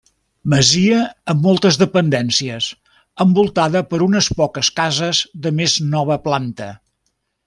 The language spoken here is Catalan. Masia amb moltes dependències, envoltada per unes poques cases de més nova planta.